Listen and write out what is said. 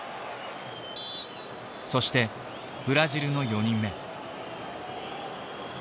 そしてブラジルの４人目。